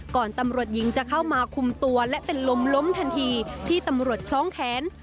ตำรวจหญิงจะเข้ามาคุมตัวและเป็นลมล้มทันทีที่ตำรวจคล้องแขน